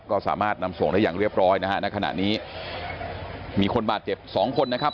ก็สามารถนำส่งได้อย่างเรียบร้อยนะฮะณขณะนี้มีคนบาดเจ็บสองคนนะครับ